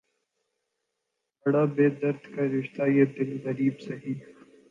بڑا ہے درد کا رشتہ یہ دل غریب سہی